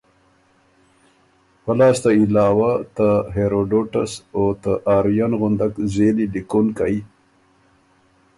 پۀ لاسته علاوه ته هېروډوټس او ته آرین غندک زېلی لیکونکئ